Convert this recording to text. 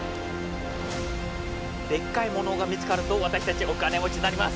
デッカいものが見つかるとわたしたちお金持ちになります！